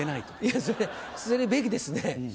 いやそれ捨てるべきですね。